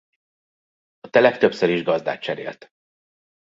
A telek többször is gazdát cserélt.